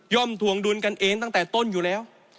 ถวงดุลกันเองตั้งแต่ต้นอยู่แล้ว